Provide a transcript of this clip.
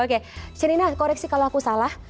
oke sherina koreksi kalau aku salah